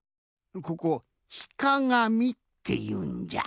ここ「ひかがみ」っていうんじゃ。